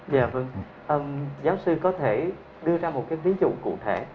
dạ vâng giáo sư có thể đưa ra một cái ví dụ cụ thể